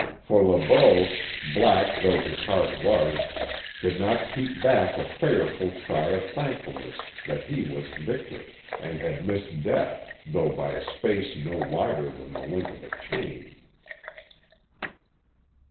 For Le Beau, black though his heart was, could not keep back a prayerful cry of thankfulness that he was victor and had missed death, though by a space no wider than the link of a chain.